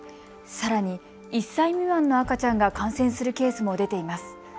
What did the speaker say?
さらに１歳未満の赤ちゃんが感染するケースも出ています。